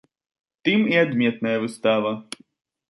Тым і адметная выстава.